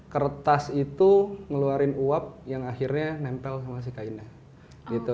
kertas itu ngeluarin uap yang akhirnya nempel sama si kainnya gitu